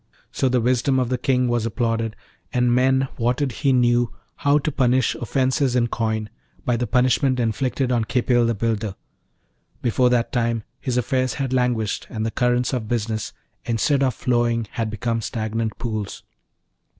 So the wisdom of the King was applauded, and men wotted he knew how to punish offences in coin, by the punishment inflicted on Khipil the builder. Before that time his affairs had languished, and the currents of business instead of flowing had become stagnant pools.